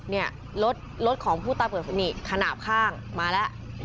เนี่ยรถของผู้ตายเปิดนี่ขนาดข้างมาแล้ว